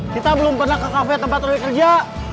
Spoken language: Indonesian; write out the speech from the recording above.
kita belum pernah ke kafe tempat roy kerja